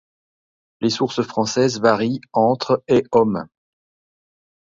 Les sources françaises varient entre et hommes.